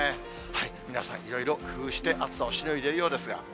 皆さん、いろいろ工夫して暑さをしのいでいるようですが。